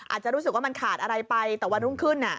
อาจจะรู้สึกว่ามันขาดอะไรไปแต่วันรุ่งขึ้น